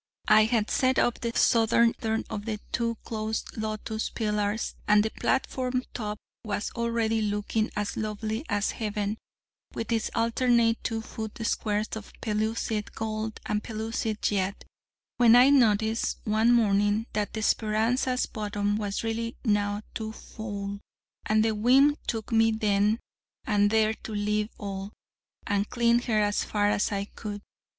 I had set up the southern of the two closed lotus pillars, and the platform top was already looking as lovely as heaven, with its alternate two foot squares of pellucid gold and pellucid jet, when I noticed one morning that the Speranza's bottom was really now too foul, and the whim took me then and there to leave all, and clean her as far as I could.